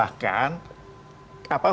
tapi harus ditambahkan